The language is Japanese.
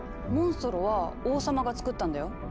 モンストロは王様が作ったんだよ。